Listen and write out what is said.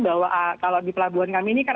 bahwa kalau di pelabuhan kami ini kan